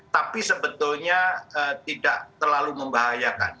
tapi sebetulnya tidak terlalu membahayakan